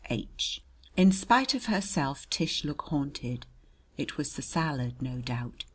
H. In spite of herself, Tish looked haunted. It was the salad, no doubt.